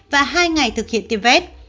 và hai ngày thực hiện tiêm vét